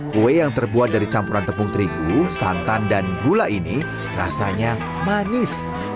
kue yang terbuat dari campuran tepung terigu santan dan gula ini rasanya manis